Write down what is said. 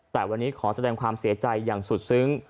แต่วันนี้ขอแสดงความเสียใจอย่างสุดซึ้ง